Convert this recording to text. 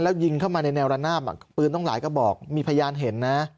แล้วยิงเข้ามาในแนวระนาบปืนต้องหลายกระบอกมีพยานเห็นนะ